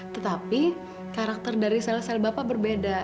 tetapi karakter dari sel sel bapak berbeda